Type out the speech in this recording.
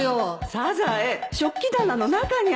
サザエ食器棚の中にあったよ